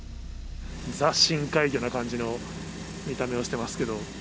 ザ・深海魚な感じの見た目をしてますけど。